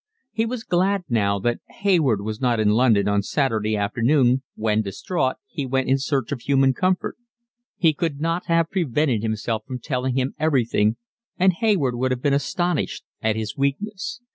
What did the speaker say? He was glad now that Hayward was not in London on Saturday afternoon when, distraught, he went in search of human comfort: he could not have prevented himself from telling him everything, and Hayward would have been astonished at his weakness.